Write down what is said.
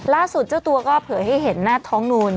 เจ้าตัวก็เผยให้เห็นหน้าท้องนูน